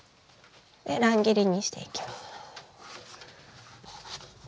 で乱切りにしていきます。